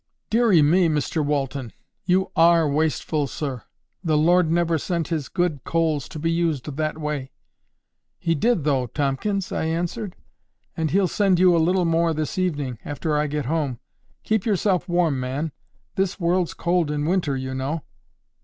"Deary me, Mr Walton! you ARE wasteful, sir. The Lord never sent His good coals to be used that way." "He did though, Tomkins," I answered. "And He'll send you a little more this evening, after I get home. Keep yourself warm, man. This world's cold in winter, you know."